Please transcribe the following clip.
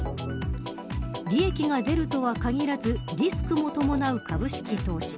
利益が出るとは限らずリスクも伴う株式投資。